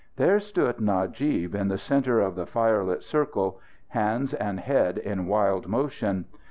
There stood Najib, in the center of the firelit circle; hands and head in wild motion.